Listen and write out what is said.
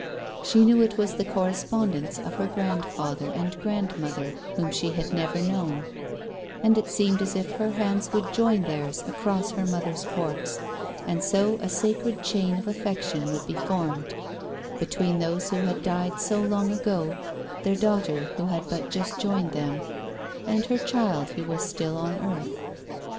She knew it was the correspondence of her grandfather and grandmother, whom she had never known ; and it seemed as if her hands would join theirs across her mother's corpse, and so a sacred chain of affection would be formed between those who had died so long ago, their daughter who had but just joined them, and her child who was still on earth.